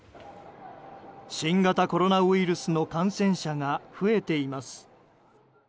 新型コロナウイルスの感染者が増えています。